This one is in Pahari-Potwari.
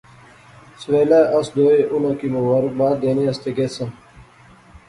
سویلے اس دوئے اُناں کی مبارک دینے آسطے گیساں